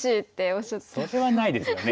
それはないですよね。